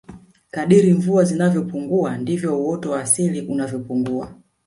kadri mvua zinavyopungua ndivyo uoto wa asili unavyopungua